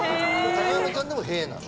高山ちゃんでも「へえ」なの？